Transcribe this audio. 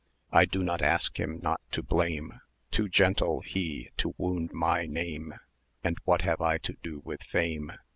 I do not ask him not to blame, Too gentle he to wound my name; And what have I to do with Fame?